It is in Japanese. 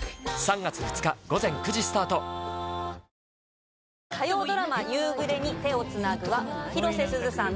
ヘイ火曜ドラマ「夕暮れに、手をつなぐ」は広瀬すずさん